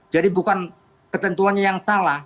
jadi bukan ketentuannya yang salah